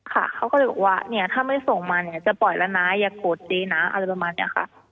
ค่ะเขาก็เลยบอกว่าเนี่ยถ้าไม่ส่งมาเนี่ยจะปล่อยแล้วนะอย่าโกรธเจ๊นะอะไรประมาณนี้ค่ะ